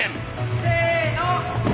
せの！